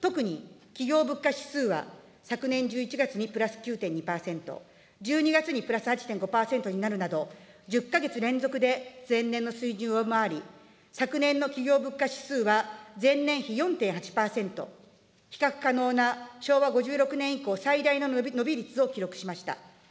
特に、企業物価指数は、昨年１１月にプラス９．２％、１２月にプラス８．５％になるなど、１０か月連続で前年の水準を上回り、昨年の企業物価指数は前年比４．８％、比較可能な昭和５６年以降、最大の伸び率を記録しました。